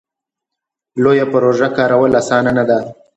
لویه پروژه کارول اسانه نه ده.